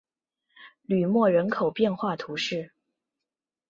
吕莫人口变化图示